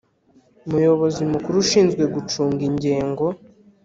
Muyobozi Mukuru ushinzwe gucunga ingengo